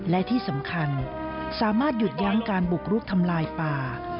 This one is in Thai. และที่สำคัญสามารถหยุดยั้งการบุกรุกทำลายป่า